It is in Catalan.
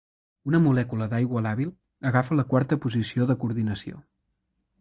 Una molècula d"aigua làbil agafa la quarta posició de coordinació.